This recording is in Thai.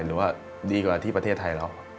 หรือว่าดีกว่าที่ประเทศไทยเรา